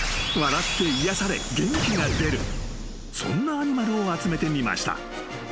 ［そんなアニマルを集めてみました］